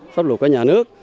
pháp luật của nhà nước